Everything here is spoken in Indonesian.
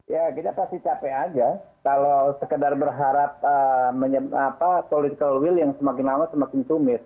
ya kita pasti capek aja kalau sekedar berharap political will yang semakin lama semakin sumis